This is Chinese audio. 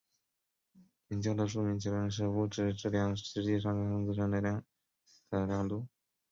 研究的著名结论就是物体质量实际上就是它自身能量的量度。